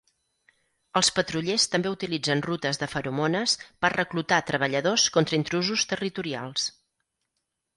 Els patrullers també utilitzen rutes de feromones per reclutar treballadors contra intrusos territorials.